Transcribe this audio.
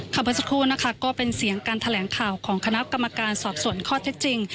เมื่อสักครู่นะคะก็เป็นเสียงการแถลงข่าวของคณะกรรมการสอบส่วนข้อเท็จจริง